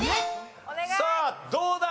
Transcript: さあどうだ？